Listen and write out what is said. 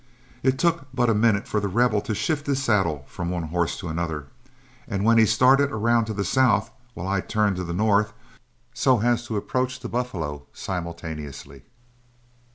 It took but a minute for The Rebel to shift his saddle from one horse to another, when he started around to the south, while I turned to the north, so as to approach the buffalo simultaneously.